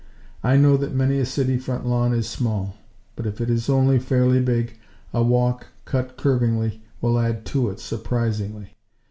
I know that many a city front lawn is small; but, if it is only fairly big, a walk, cut curvingly, will add to it, surprisingly.